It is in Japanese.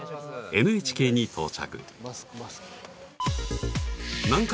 ＮＨＫに到着南海